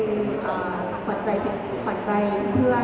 ที่มีความรู้สึกกว่าที่มีความรู้สึกกว่า